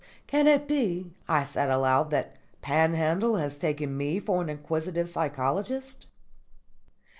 "Can it be," I said aloud, "that Panhandle has taken me for an inquisitive psychologist?"